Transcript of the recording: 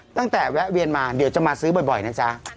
แวะเวียนมาเดี๋ยวจะมาซื้อบ่อยนะจ๊ะ